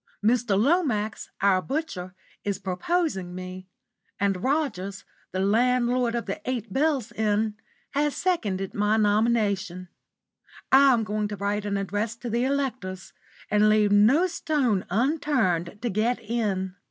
Mr. Lomax, our butcher, is proposing me, and Rogers, the landlord of the Eight Bells Inn, has seconded my nomination. I'm going to write an address to the electors, and leave no stone unturned to get in."